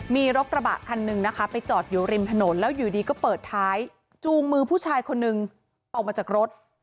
มีรถกระบะคันหนึ่งนะคะไปจอดอยู่ริมถนนแล้วอยู่ดีก็เปิดท้ายจูงมือผู้ชายคนนึงออกมาจากรถ